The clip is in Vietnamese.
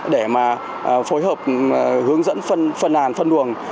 để phối hợp hướng dẫn phân nàn phân đường